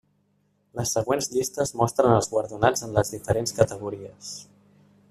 Les següents llistes mostren els guardonats en les diferents categories.